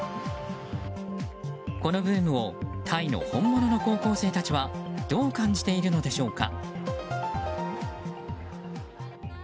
このブームをタイの本物の高校生たちはどう感じているのでしょうか。